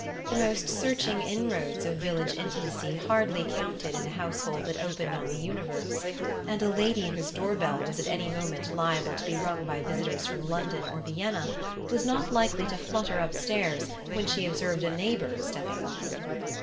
The most searching inroads of village intimacy hardly counted in a household that opened on the universe; and a lady whose door bell was at any moment liable to be rung by visitors from London or Vienna was not likely to flutter up stairs when she observed a neighbor "stepping over."